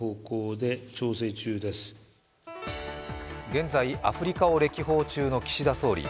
現在、アフリカを歴訪中の岸田総理。